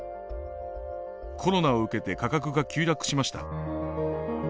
コロナを受けて価格が急落しました。